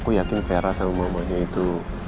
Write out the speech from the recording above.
aku yakin vera sama mamanya itu